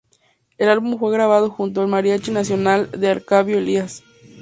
El álbum fue grabado junto con el Mariachi "Nacional" de Arcadio Elías.